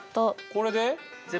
これで？